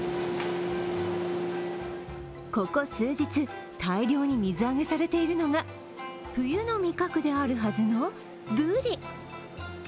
ここ数日、大量に水揚げされているのが冬の味覚であるはずの、ぶり。